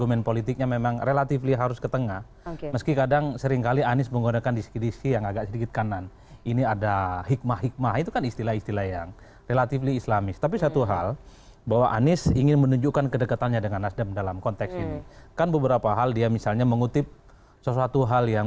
entah apa sekarang namanya